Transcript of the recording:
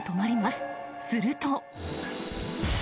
すると。